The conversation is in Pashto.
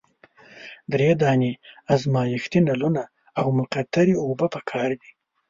دری دانې ازمیښتي نلونه او مقطرې اوبه پکار دي.